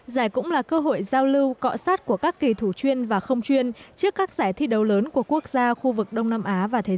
giải cũng là cơ hội giao lưu cọ sát của các kỳ thủ chuyên và không chuyên trước các giải thi đấu lớn của quốc gia khu vực đông nam á và thế giới